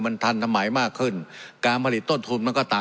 มันทันสมัยมากขึ้นการผลิตต้นทุนมันก็ต่ำ